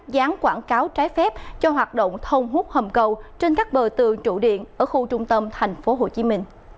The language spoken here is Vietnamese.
dán quảng cáo trái phép cho hoạt động thông hút hầm cầu trên các bờ tường trụ điện ở khu trung tâm tp hcm